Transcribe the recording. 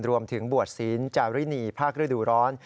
รวมถึงบวชศีลจารินีภาคฤดูร้อน